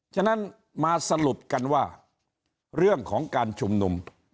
ฉะนั้นมาสรุปกันว่าเรื่องของการชุมนุม